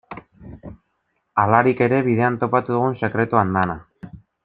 Halarik ere, bidean topatu dugun sekretu andana.